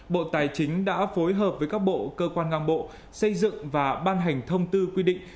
bộ tài chính đã phối hợp với các bộ cơ quan ngang bộ xây dựng và ban hành thông tư quy định